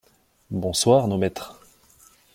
Bonsoir, nos maîtres!